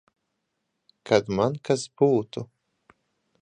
Kad man kas būtu.